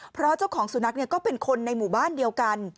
เพราะเจ้าของสุนัขก็เป็นคนในหมู่บ้านเดียวกัน